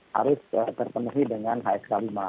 harus terpenuhi dengan hsk lima